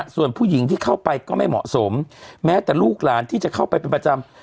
ส่วนผู้หญิงที่เข้าไปก็ไม่เหมาะสมแม้แต่ลูกหลานที่จะเข้าไปเป็นประจำ